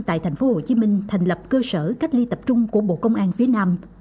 tại tp hcm thành lập cơ sở cách ly tập trung của bộ công an phía nam